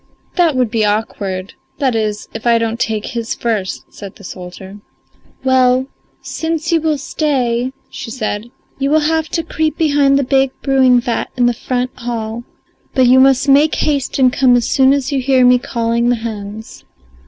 "That would be awkward that is if I don't take his first," said the soldier. "Well, since you will stay," she said, "you will have to creep behind the big brewing vat in the front hall. But you must make haste and come as soon as you hear me calling the hens."